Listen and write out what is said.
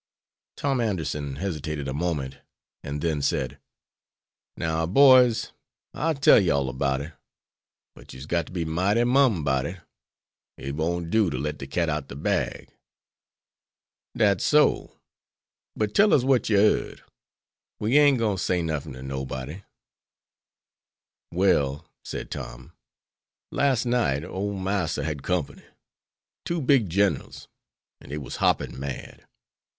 Tom Anderson hesitated a moment, and then said: "Now, boys, I'll tell you all 'bout it. But you's got to be mighty mum 'bout it. It won't do to let de cat outer de bag." "Dat's so! But tell us wat you yered. We ain't gwine to say nuffin to nobody." "Well," said Tom, "las' night ole Marster had company. Two big ginerals, and dey was hoppin' mad.